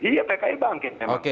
iya pki bangkit memang